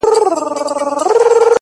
اختر نژدې دی;